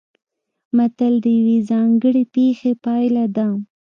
متل د یوې ځانګړې پېښې پایله ده